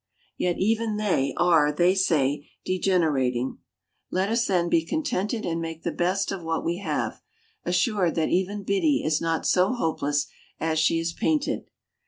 Yet even they, are, they say, degenerating. Let us, then, be contented and make the best of what we have, assured that even Biddy is not so hopeless as she is painted.